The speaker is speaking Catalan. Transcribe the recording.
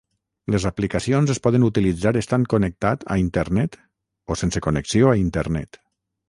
Les aplicacions es poden utilitzar estant connectat a Internet, o sense connexió a Internet.